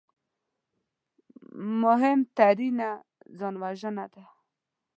مهمترینه ځانوژنه ده